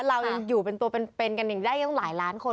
เรายังอยู่เป็นตัวเป็นกันอย่างนี้ได้อยู่ต้องหลายล้านคน